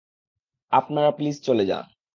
আপনারা প্লিজ চলে যান।